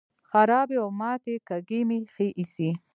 خرابې او ماتې کاږي مې ښې ایسي.